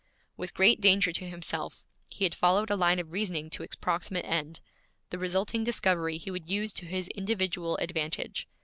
With great danger to himself, he had followed a line of reasoning to its proximate end; the resulting discovery he would use to his individual advantage.